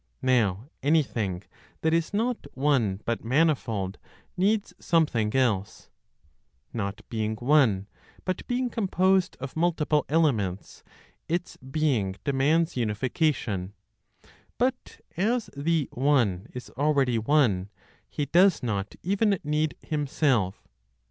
Now anything that is not one, but manifold, needs something else. Not being one, but being composed of multiple elements, its being demands unification; but as the One is already one, He does not even need Himself.